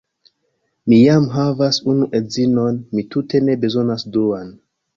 Mi jam havas unu edzinon, mi tute ne bezonas duan.